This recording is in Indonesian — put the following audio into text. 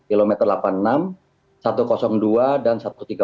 kilometer delapan puluh enam satu ratus dua dan satu ratus tiga puluh